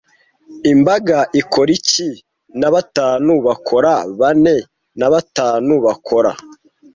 imbaga ikora iki na batanu bakora Bane na batanu bakora